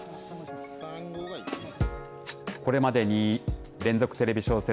これまでに連続テレビ小説